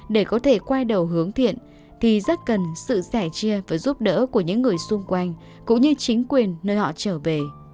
để có thể quay đầu hướng thiện thì rất cần sự sẻ chia và giúp đỡ của những người xung quanh cũng như chính quyền nơi họ trở về